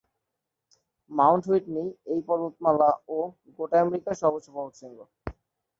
Mount Whitney এই পর্বতমালা ও গোটা আমেরিকার সর্বোচ্চ পর্বতশৃঙ্গ।